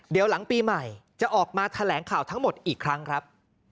เดี๋ยวหลังปีใหม่จะออกมาแถลงข่าวทั้งหมดอีกครั้งครับ